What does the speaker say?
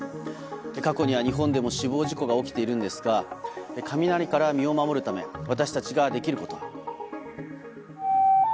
過去には日本でも死亡事故が起きているんですが雷から身を守るため私たちができることは？